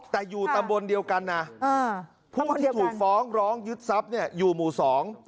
แต่อยู่ตำบลเดียวกันนะอ่าผู้ที่ถูกฟ้องร้องยึดทรัพย์เนี่ยอยู่หมู่สอง